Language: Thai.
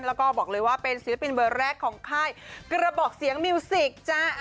แล้วก็บอกเลยว่าเป็นศิลปินเบอร์แรกของค่ายกระบอกเสียงมิวสิกจ้า